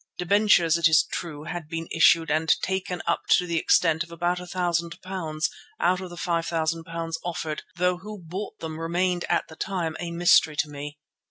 Debentures, it is true, had been issued and taken up to the extent of about £1,000 out of the £5,000 offered, though who bought them remained at the time a mystery to me.